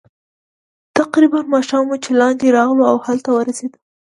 تقریباً ماښام وو چې لاندې راغلو، او هلته ورسېدو.